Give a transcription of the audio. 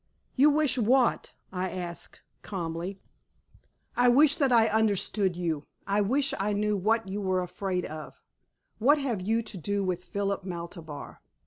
"You wish what?" I asked her, calmly. "I wish that I understood you; I wish I knew what you were afraid of. What have you to do with Philip Maltabar?